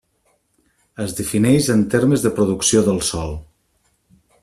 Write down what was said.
Es defineix en termes de producció del Sol.